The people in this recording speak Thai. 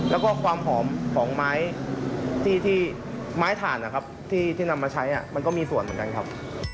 แล้วก็ความหอมของไม้ทานที่นำมาใช้มันก็มีส่วนเหมือนกันครับ